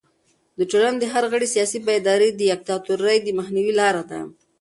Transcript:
د ټولنې د هر غړي سیاسي بیداري د دیکتاتورۍ د مخنیوي لاره ده.